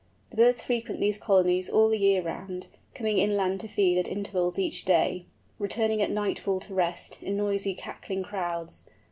The birds frequent these colonies all the year round, coming inland to feed at intervals each day, returning at nightfall to rest, in noisy cackling crowds.